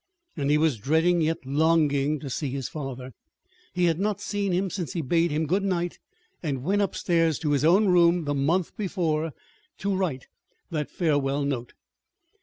And he was dreading yet longing to see his father. He had not seen him since he bade him good night and went upstairs to his own room the month before to write that farewell note.